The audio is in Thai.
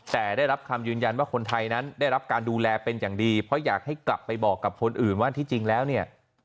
แต่ได้รับคำยืนยันว่าคนไทยนั้นได้รับการดูแลเป็นอย่างดีเพราะอยากให้กลับไปบอกกับคนอื่นว่าที่จริงแล้วเนี่ย